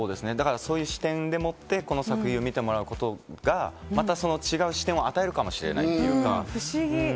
そういう視点でもって、この作品を見てもらえることがまた違う視点を与えるかもしれないとか。